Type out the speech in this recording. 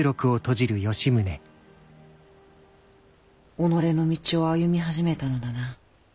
己の道を歩み始めたのだな。